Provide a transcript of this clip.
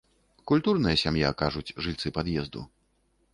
Культурная сям'я, кажуць жыльцы пад'езду.